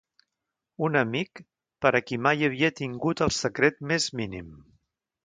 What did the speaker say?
Un amic, per a qui mai havia tingut el secret més mínim